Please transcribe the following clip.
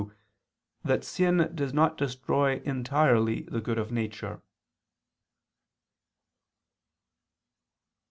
2) that sin does not destroy entirely the good of nature.